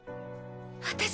私